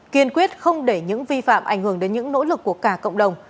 kiên quyết không để những vi phạm ảnh hưởng đến những nỗ lực của cả cộng đồng